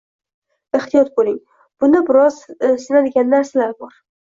Ehtiyot bo’ling. Bunda biroz sinadigan narsalar bor.